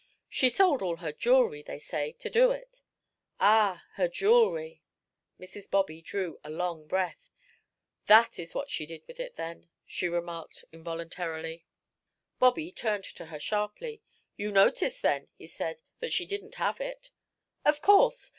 She sold all her jewelry, they say, to do it." "Ah her jewelry!" Mrs. Bobby drew a long breath. "That is what she did with it, then," she remarked, involuntarily. Bobby turned to her sharply. "You noticed, then," he said, "that she didn't have it?" "Of course.